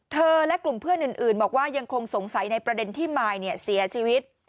และกลุ่มเพื่อนอื่นบอกว่ายังคงสงสัยในประเด็นที่มายเสียชีวิต